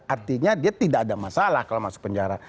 artinya dia tidak ada masalah kalau masuk penjara